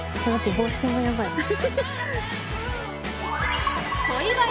帽子がやばい。